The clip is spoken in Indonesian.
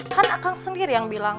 kan akang sendiri yang bilang